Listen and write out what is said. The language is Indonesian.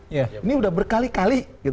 ini sudah berkali kali